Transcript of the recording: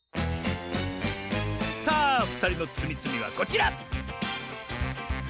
さあふたりのつみつみはこちら！